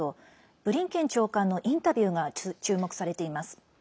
ブリンケン長官のインタビューが注目されています。